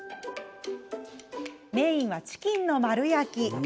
メインはチキンの丸焼き。